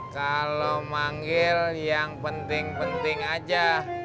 kalau manggil yang penting penting aja